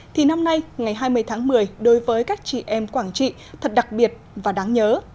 thì năm nay ngày hai mươi tháng một mươi đối với các chị em quảng trị thật đặc biệt và đáng nhớ